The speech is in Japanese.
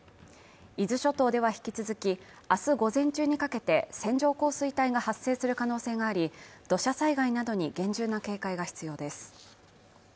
伊豆諸島では引き続きあす午前中にかけて線状降水帯が発生する可能性があり土砂災害などに厳重な警戒が必要です